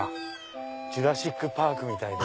『ジュラシック・パーク』みたいで。